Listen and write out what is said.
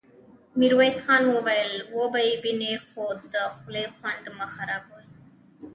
ميرويس خان وويل: وبه يې وينې، خو د خولې خوند مه خرابوه!